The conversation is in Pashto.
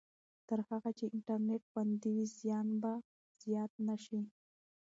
تر هغه چې انټرنېټ خوندي وي، زیان به زیات نه شي.